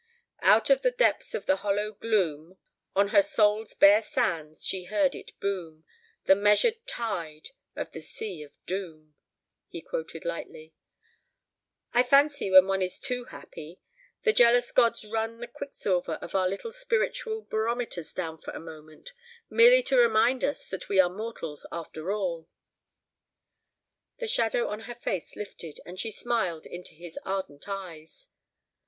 "'Out of the depths of the hollow gloom, On her soul's bare sands she heard it boom, The measured tide of the sea of doom,'" he quoted lightly. "I fancy when one is too happy, the jealous gods run the quicksilver of our little spiritual barometers down for a moment, merely to remind us that we are mortals after all." The shadow on her face lifted, and she smiled into his ardent eyes.